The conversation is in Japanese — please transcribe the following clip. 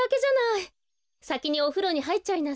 さきにおふろにはいっちゃいなさい。